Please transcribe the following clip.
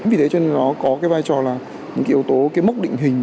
vì thế cho nên nó có cái vai trò là những cái yếu tố cái mốc định hình